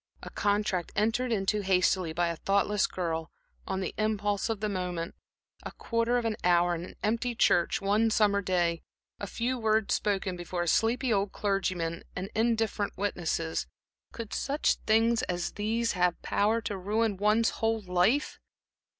A contract entered into hastily by a thoughtless girl, on the impulse of the moment; a quarter of an hour in an empty church one summer day; a few words spoken before a sleepy old clergyman and indifferent witnesses could such things as these have power to ruin one's whole life?